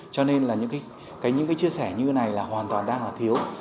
cho nên những chia sẻ như thế này hoàn toàn đang là thiếu